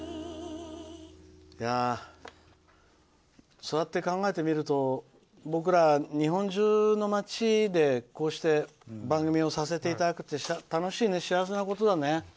そうやって考えてみると僕ら日本中の街でこうして番組をさせていただくって楽しいね、幸せなことだね。